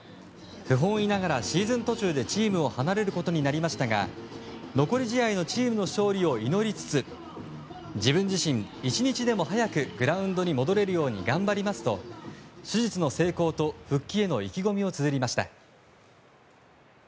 不本意ながらシーズン途中でチームを離れることになりましたが残り試合のチームの勝利を祈りつつ自分自身、１日でも早くグラウンドに戻れるように頑張りますと、手術の成功と復帰への意気込みをつづりました。